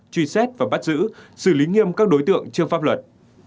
truy xét và bắt giữ xử lý nghiêm các đối tượng trước pháp luật